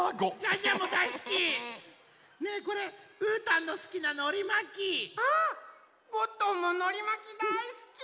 ねえこれうーたんのすきなのりまき！あっゴットンものりまきだいすき！